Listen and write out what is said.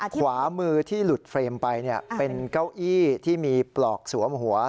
ขวามือที่หลุดเฟรมไปเป็นเก้าอี้ที่มีปลอกสวมหัว